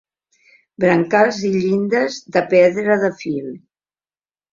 Brancals i llindes de pedra de fil.